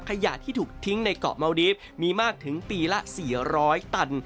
ขยะที่ถูกทิ้งในเกาะเมาดีฟมีมากถึงปีละ๔๐๐ตัน